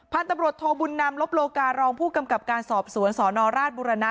พันธุ์ตำรวจโทบุญนำลบโลการองผู้กำกับการสอบสวนสนราชบุรณะ